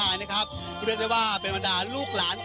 มันอาจจะเป็นแก๊สธรรมชาติค่ะ